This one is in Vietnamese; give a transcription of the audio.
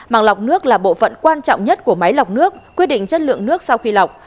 màng lọc nước là bộ phận quan trọng nhất của máy lọc nước quyết định chất lượng nước sau khi lọc